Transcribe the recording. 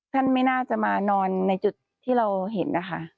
ไม่น่าจะมานอนในจุดที่เราเห็นนะคะ